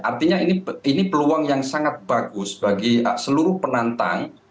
artinya ini peluang yang sangat bagus bagi seluruh penantang